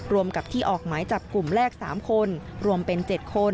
รวมกับที่ออกหมายจับกลุ่มแรก๓คนรวมเป็น๗คน